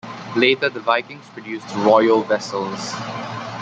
Later the Vikings produced royal vessels.